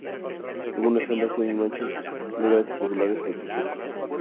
Algunas hembras tienen manchas negras irregulares tras los ojos.